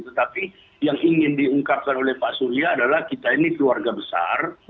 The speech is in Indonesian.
tetapi yang ingin diungkapkan oleh pak surya adalah kita ini keluarga besar